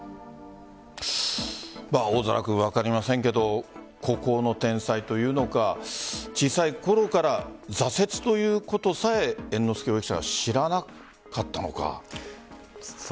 大空君、分かりませんけど孤高の天才というのか小さいころから挫折ということさえ猿之助容疑者は知らなかったのか。